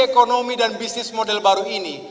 ekonomi dan bisnis model baru ini